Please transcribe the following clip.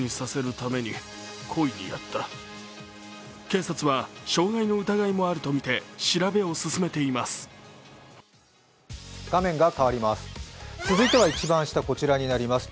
警察は傷害の疑いもあるとみて調べを進めています。